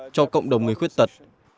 cho cộng đồng người khuyết tật